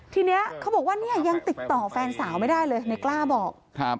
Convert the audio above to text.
ทีนี้เขาบอกว่าเนี่ยยังติดต่อแฟนสาวไม่ได้เลยในกล้าบอก